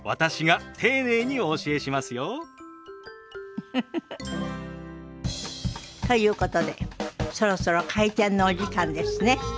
ウフフフ。ということでそろそろ開店のお時間ですね。